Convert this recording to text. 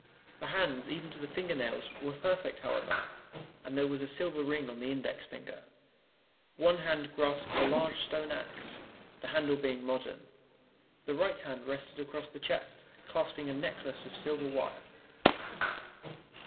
The hands, even to the finger nails, were perfect, however, and there was a silver ring on the index finger. One hand grasped a large stone axe the handle being modern. The right hand rested across the chest, clasping a necklace of silver wire.